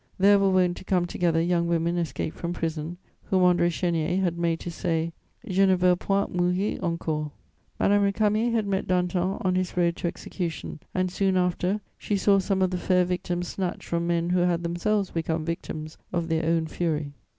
There were wont to come together young women escaped from prison, whom André Chénier had made to say: Je ne veux point mourir encore. Madame Récamier had met Danton on his road to execution and, soon after, she saw some of the fair victims snatched from men who had themselves become victims of their own fury.